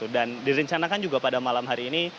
dan direncanakan juga pada malam hari ini